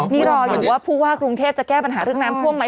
นี่รออยู่ว่าผู้ว่ากรุงเทพจะแก้ปัญหาเรื่องน้ำท่วมไหม